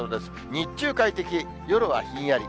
日中快適、夜はひんやり。